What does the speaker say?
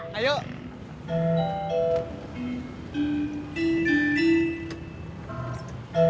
kamu nyari yang lain aja